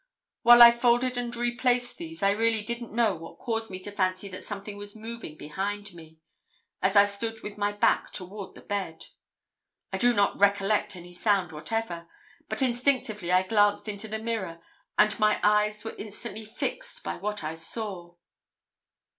While I folded and replaced these, I really don't know what caused me to fancy that something was moving behind me, as I stood with my back toward the bed. I do not recollect any sound whatever; but instinctively I glanced into the mirror, and my eyes were instantly fixed by what I saw.